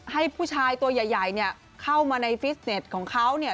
ให้ผู้ชายตัวใหญ่เนี่ยเข้ามาในฟิสเน็ตของเขาเนี่ย